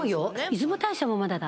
出雲大社もまだだ。